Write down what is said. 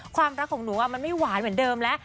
ความรักของหนูมันไม่หวานเหมือนเดิมแล้ว